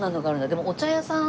でもお茶屋さんだから。